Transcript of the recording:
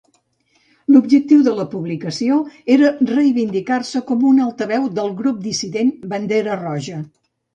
L’objectiu de la publicació era reivindicar-se com un altaveu del grup dissident Bandera Roja.